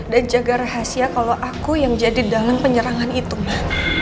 dan jaga rahasia kalau aku yang jadi dalang penyerangan itu ma